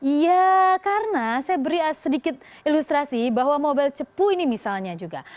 ya karena saya beri sedikit ilustrasi bahwa mobile cepu ini misalnya juga